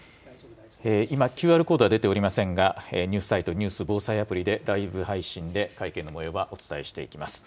今、ＱＲコードは出ていませんが、ニュースサイト、ニュース・防災アプリでライブ配信で会見のもようはお伝えしていきます。